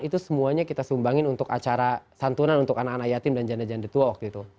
itu semuanya kita sumbangin untuk acara santunan untuk anak anak yatim dan janda janda tua waktu itu